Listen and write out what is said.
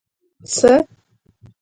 څه